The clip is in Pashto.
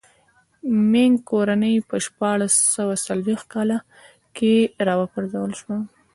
مینګ کورنۍ په شپاړس سوه څلوېښت کاله کې را و پرځول شوه.